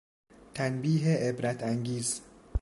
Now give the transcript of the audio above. تنبیه عبرت انگیز